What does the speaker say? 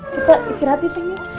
kita istirahat disini